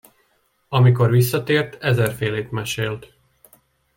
Amikor visszatért, ezerfélét mesélt.